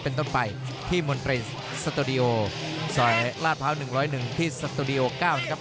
เป็นต้นไปที่มนตรีสตูดิโอซอยลาดพร้าว๑๐๑ที่สตูดิโอ๙นะครับ